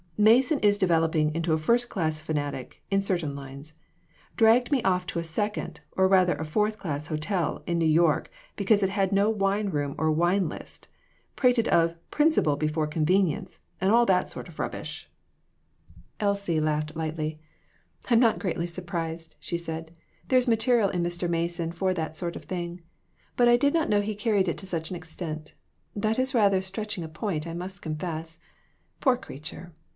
Mason is developing into a first class fanatic, in certain lines ; dragged me off to a second, or rather a fourth class hotel, in New York, because it had no wine room or wine list; prated of 'principle before convenience,' and all that sort of rubbish !" 21 8 CHARACTER STUDIES. Elsie laughed lightly. "I'm not greatly sur prised," she said; "there is material in Mr. Mason for that sort of thing ; but I did not know he carried it to such an extent. That is rather stretching a point, I must confess. Poor creat ure